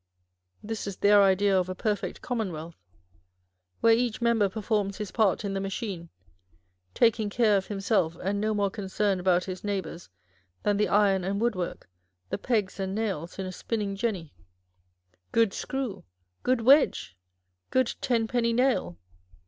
This is their idea of a perfect commonwealth : where each member performs his part in the machine, taking care of himself, and no more con cerned about his neighbours, than the iron and wood work, the pegs and nails in a spinning jenny. Good screw ! good wedge ! good tenpenny nail